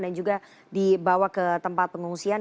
dan juga dibawa ke tempat pengungsian